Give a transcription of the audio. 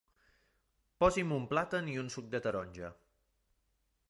Posi'm un plàtan i un suc de taronja.